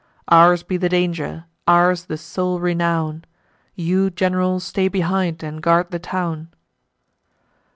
Ours be the danger, ours the sole renown: You, gen'ral, stay behind, and guard the town."